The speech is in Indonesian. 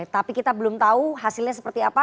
tapi kita belum tahu hasilnya seperti apa